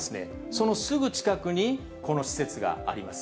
そのすぐ近くに、この施設があります。